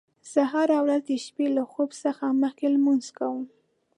زه هره ورځ د شپې له خوب څخه مخکې لمونځ کوم